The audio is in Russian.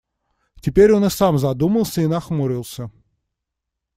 Теперь он и сам задумался и нахмурился.